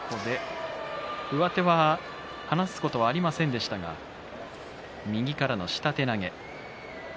上手は離すことはありませんでしたが右からの下手投げ